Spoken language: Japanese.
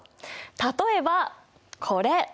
例えばこれ！